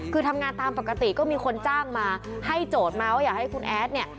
คือทำงานตามปกติก็มีคนจ้างมาให้โจทย์มาว่าอยากให้คุณแอดเนี่ย